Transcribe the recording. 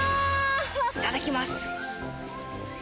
いただきます。